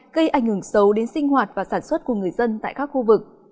gây ảnh hưởng xấu đến sinh hoạt và sản xuất của người dân tại các khu vực